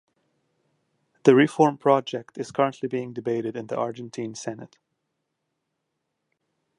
The reform project is currently being debated in the Argentine Senate.